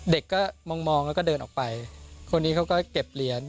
เด็กก็มองแล้วก็เดินออกไปคนนี้เขาก็เก็บเหรียญ